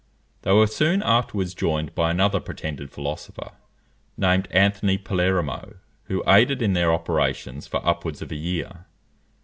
They were soon afterwards joined by another pretended philosopher, named Anthony Palermo, who aided in their operations for upwards of a year.